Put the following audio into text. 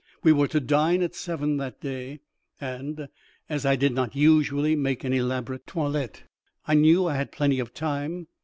We were to dine at seven that day, and, as I did not usually make an elaborate toilette, I knew I had plenty of time.